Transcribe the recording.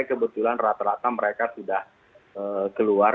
kebetulan rata rata mereka sudah keluar